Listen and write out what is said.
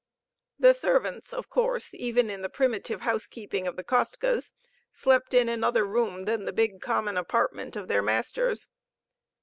The servants, of course, even in the primitive housekeeping of the Kostkas, slept in another room than the big common apartment of their masters.